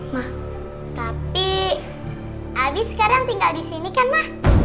ma tapi abi sekarang tinggal disini kan ma